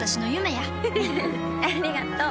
ありがとう。